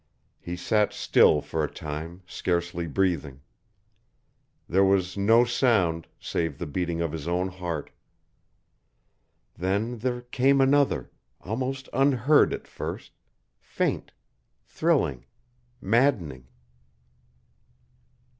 He sat still for a time, scarcely breathing. There was no sound, save the beating of his own heart. Then there came another, almost unheard at first, faint, thrilling, maddening.